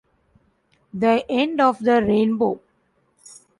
The end of the rainbow.